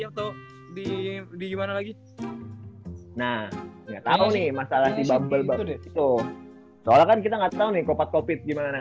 atau di gimana lagi nah nggak tahu nih masalah di bambel bahwa kita nggak tahu nih kopi gimana kan